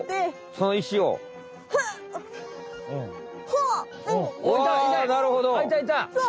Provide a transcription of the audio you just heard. そう。